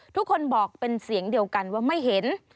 ทุกคนบอกเป็นเสียงเดียวกันว่าไม่เห็น